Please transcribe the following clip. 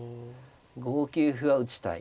５九歩は打ちたい。